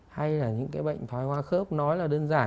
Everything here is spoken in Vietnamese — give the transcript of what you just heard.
hay là những cái bệnh thói hóa khớp nói là đơn giản